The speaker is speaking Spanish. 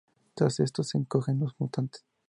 Tras esto, se escogen los mutantes.